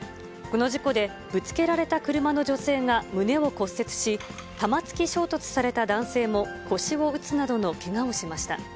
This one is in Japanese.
この事故で、ぶつけられた車の女性が胸を骨折し、玉突き衝突された男性も腰を打つなどのけがをしました。